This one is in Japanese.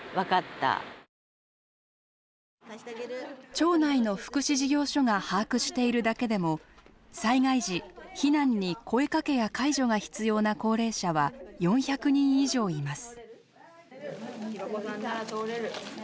町内の福祉事業所が把握しているだけでも災害時避難に声かけや介助が必要な高齢者は４００人以上います。